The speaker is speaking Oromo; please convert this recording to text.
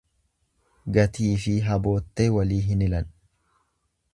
Gatiifi haboottee walii hin hilan.